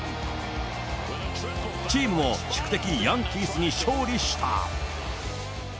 チームも宿敵ヤンキースに勝利した。